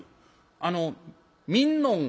あの見んのんが」。